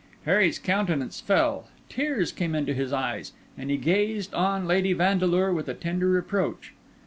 Harry's countenance fell; tears came into his eyes, and he gazed on Lady Vandeleur with a tender reproach.